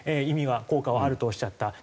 意味は効果はあるとおっしゃった。